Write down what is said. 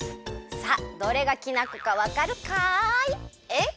さあどれがきな粉かわかるかい？えっ？